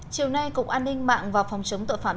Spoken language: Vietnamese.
chiều nay cục an ninh mạng và phòng chống tội phạm